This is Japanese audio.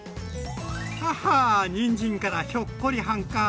ハッハーにんじんからひょっこりはんか。